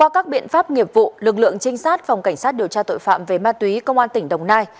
các biện pháp nghiệp vụ lực lượng trinh sát phòng cảnh sát điều tra tội phạm về ma túy công an tỉnh đồng nai